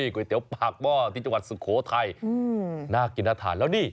ก๋วยเตี๋ยวปากหม้อที่จังหวัดสุโขทัยน่ากินน่าทานแล้วนี่